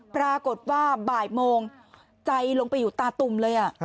ปรากฏว่าบ่ายโมงใจลงไปอยู่ตาตุ่มเลย